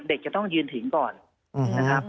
เด็กจะต้องยืนถึงก่อนนะครับ